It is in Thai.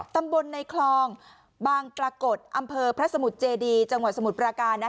ตำบลในคลองบางปรากฏอำเภอพระสมุทรเจดีจังหวัดสมุทรปราการ